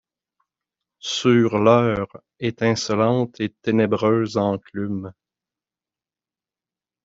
Sur l’Heure, étincelante et ténébreuse enclume